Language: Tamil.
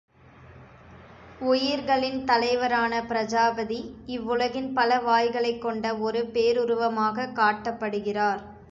உயிர்களின் தலைவரான பிரஜாபதி இவ்வுலகின் பல வாய்களைக் கொண்ட ஒரு பேருருவமாகக் காட்டப் பெறுகிறார்.